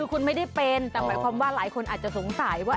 คุณไม่ได้เป็นแต่หมายความว่าหลายคนอาจจะสงสัยว่า